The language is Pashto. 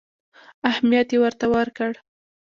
اهمیت یې ورته ورکړ.